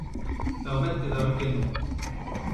Ur metr pevar-ugent on.